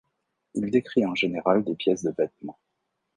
Il décrit en général des pièces de vêtement.